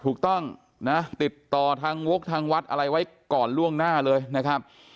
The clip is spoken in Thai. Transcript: ถูกต้องนะติดต่อทางวกทางวัดอะไรไว้ก่อนล่วงหน้าเลยนะครับ